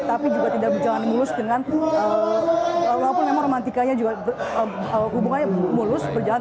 tapi juga tidak berjalan mulus dengan walaupun memang romantikanya juga hubungannya mulus berjalan